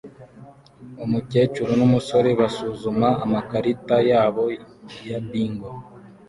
Umukecuru n'umusore basuzuma amakarita yabo ya bingo